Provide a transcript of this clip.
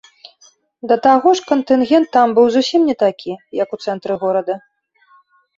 Да таго ж кантынгент там быў зусім не такі, як у цэнтры горада.